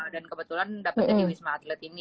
dan kebetulan dapat jadi wisma atlet ini